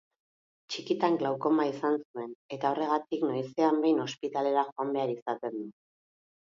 Txikitan glaukoma izan zuen eta horregatik noizean behin ospitalera joan behar izaten du.